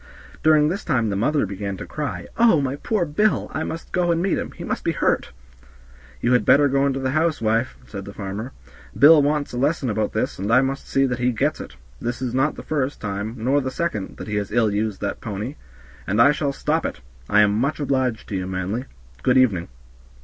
During this time the mother began to cry, "Oh, my poor Bill, I must go and meet him; he must be hurt." "You had better go into the house, wife," said the farmer; "Bill wants a lesson about this, and I must see that he gets it; this is not the first time, nor the second, that he has ill used that pony, and I shall stop it. I am much obliged to you, Manly. Good evening."